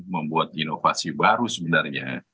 membuat inovasi baru sebenarnya